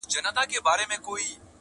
رمې به پنډي وي او ږغ به د شپېلیو راځي؛